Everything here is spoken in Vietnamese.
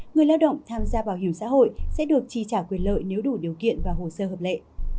người lao động tham gia bảo hiểm xã hội sẽ được tri trả quyền lợi nếu đủ điều kiện và hồ sơ hợp lệ